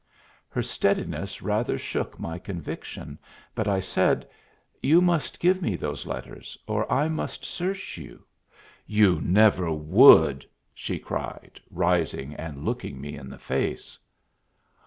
Her steadiness rather shook my conviction, but I said, "You must give me those letters, or I must search you." "You never would!" she cried, rising and looking me in the face.